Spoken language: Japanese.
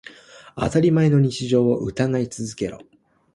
当たり前の日常を疑い続けろ。